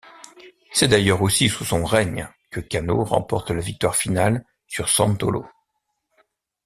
C'est d'ailleurs aussi sous son règne que Kano remporte la victoire finale sur Santolo.